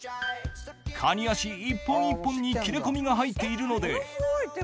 カニ足一本一本に切れ込みが入っているのではいはいはい。